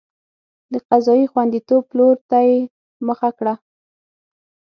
د قضایي خوندیتوب پلور ته یې مخه کړه.